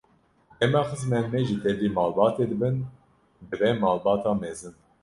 Dema xizmên me jî tevlî malbatê dibin, dibe malbata mezin.